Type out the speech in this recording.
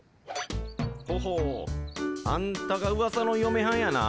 ほほうあんたがウワサのよめはんやな。